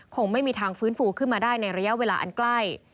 คงไม่มีทางฟื้นฟูขึ้นมาได้ในระยะเวลาอันใกล้